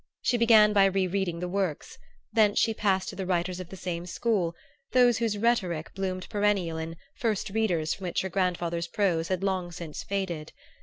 She began by re reading the Works; thence she passed to the writers of the same school, those whose rhetoric bloomed perennial in First Readers from which her grandfather's prose had long since faded.